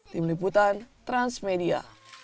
tim liputan transmedia